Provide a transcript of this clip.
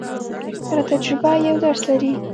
هره تجربه یو درس لري.